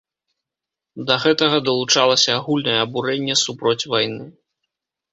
Да гэтага далучалася агульнае абурэнне супроць вайны.